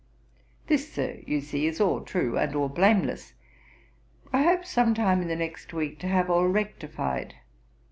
This, Sir, you see is all true and all blameless. I hope, some time in the next week, to have all rectified.